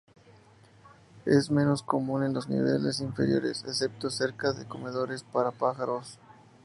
Es menos común en los niveles inferiores, excepto cerca de comederos para pájaros.